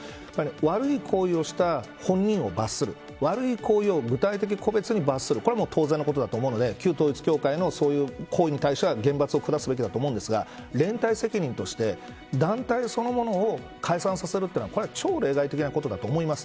悪い行為をした本人を罰する悪い行為を具体的個別に罰するこれは当然のことだと思うので旧統一教会のそういう行為に対しては厳罰を下すべきだと思うんですが連帯責任として団体そのものを解散させるのはこれは超例外的なことだと思います。